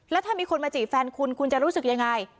แล้วถ้ามีคนมาจีบแฟนคุณคุณจะรู้สึกยังไง